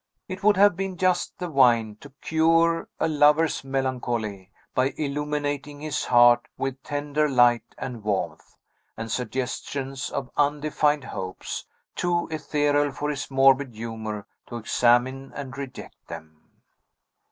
It would have been just the wine to cure a lover's melancholy, by illuminating his heart with tender light and warmth, and suggestions of undefined hopes, too ethereal for his morbid humor to examine and reject them.